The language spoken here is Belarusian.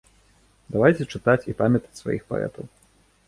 Давайце чытаць і памятаць сваіх паэтаў.